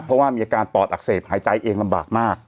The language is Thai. เพราะว่ามีอาการปอดอักเสบหายใจเองลำบากมาก